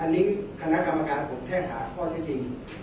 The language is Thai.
อันนี้คณะกรรมการผมแค่หาข้อที่จริง